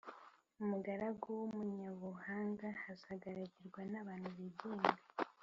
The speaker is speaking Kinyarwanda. Umugaragu w’umunyabuhanga azagaragirwa n’abantu bigenga,